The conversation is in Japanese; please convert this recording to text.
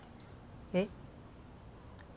えっ？